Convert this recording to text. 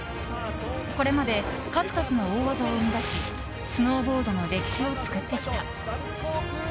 これまで数々の大技を生み出しスノーボードの歴史を作ってきた。